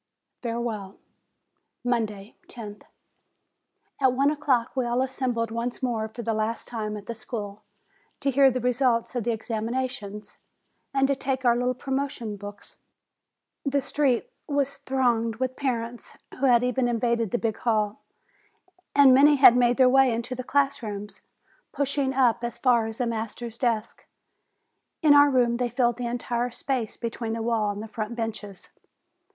346 JULY FAREWELL Monday, loth. At one o'clock we all assembled once more for the last time at the school, to hear the results of the ex aminations, and to take our little promotion books. The street was thronged with parents, who had even invaded the big hall, and many had made their way into the class rooms, pushing up as far as the master's desk. In our room they filled the entire space be tween the wall and the front benches.